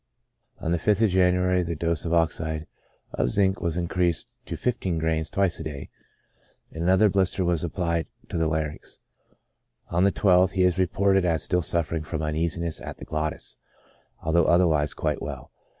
On the 5th of January, the dose of oxide of zinc was increased to fifteen grains twice a day, and another blister was applied to the larynx. On the 12th, he is reported as still suffering from uneasiness at the glottis, although other wise quite well.